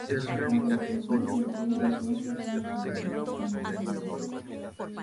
La Revolución lo priva de todas sus funciones, en Grenoble.